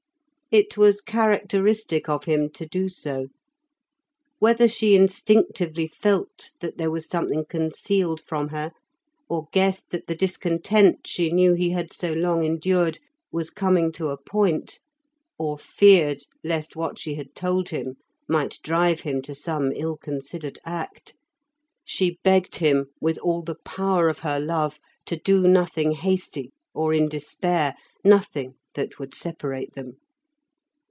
It was characteristic of him to do so. Whether she instinctively felt that there was something concealed from her, or guessed that the discontent she knew he had so long endured was coming to a point, or feared lest what she had told him might drive him to some ill considered act, she begged him with all the power of her love to do nothing hasty, or in despair, nothing that would separate them.